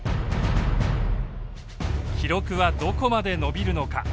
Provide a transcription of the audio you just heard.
記録はどこまで伸びるのか。